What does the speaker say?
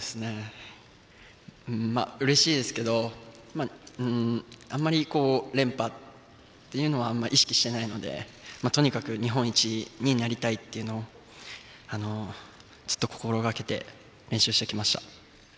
うれしいですけどあんまり連覇っていうのはあんまり意識してないのでとにかく日本一になりたいっていうのをずっと心がけて練習してきました。